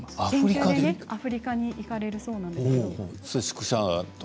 研究でアフリカに行かれるそうなんですよ。